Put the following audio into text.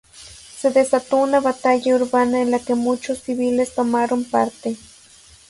Se desató una batalla urbana en la que muchos civiles tomaron parte.